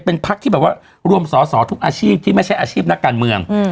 เป็นพักที่แบบว่ารวมสอสอทุกอาชีพที่ไม่ใช่อาชีพนักการเมือง